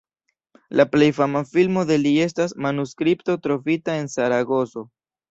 La plej fama filmo de li estas "Manuskripto trovita en Zaragozo".